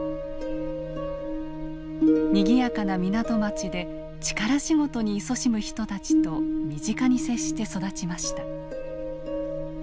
にぎやかな港町で力仕事にいそしむ人たちと身近に接して育ちました。